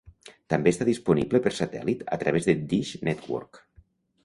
També està disponible per satèl·lit a través de Dish Network.